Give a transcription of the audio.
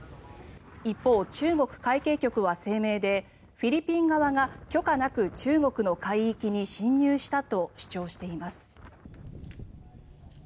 一方、中国海警局は声明でフィリピン側が許可なく中国の海域に侵入したと主張しています。